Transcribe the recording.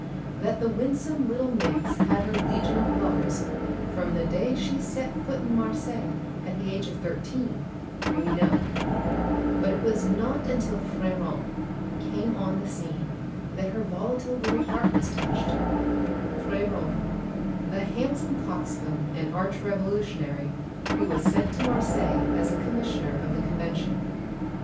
That the winsome little minx had her legion of lovers from the day she set foot in Marseilles, at the age of thirteen, we know; but it was not until Frèron came on the scene that her volatile little heart was touched Frèron, the handsome coxcomb and arch revolutionary, who was sent to Marseilles as a Commissioner of the Convention.